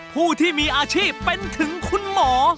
ผู้ที่มีอาชีพเป็นถึงคุณหมอ